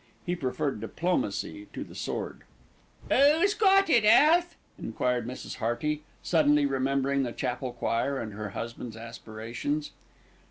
He preferred diplomacy to the sword. "Oo's got it, Alf?" enquired Mrs. Hearty, suddenly remembering the chapel choir and her husband's aspirations.